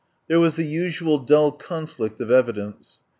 There was the usual dull conflict of evidence.